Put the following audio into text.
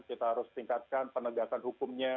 kita harus tingkatkan penegakan hukumnya